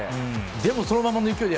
でも、そのままの勢いで。